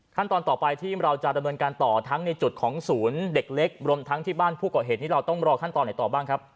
ต่อไปที่เราจะดำเนินการต่อทั้งในจุดของศูนย์เด็กเล็กรวมทั้งที่บ้านผู้ก่อเหตุนี้เราต้องรอขั้นตอนไหนต่อบ้างครับ